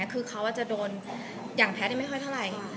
คือเขาจะโดนอย่างแฮดนี่ก็ไม่ค่อยเท่าไร